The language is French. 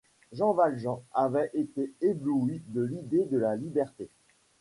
Jean Valjean avait été ébloui de l’idée de la liberté.